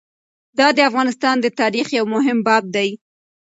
دا د افغانستان د تاریخ یو مهم باب دی.